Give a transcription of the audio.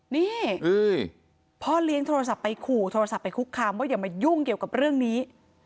นี่พ่อเลี้ยงโทรศัพท์ไปขู่โทรศัพท์ไปคุกคามว่าอย่ามายุ่งเกี่ยวกับเรื่องนี้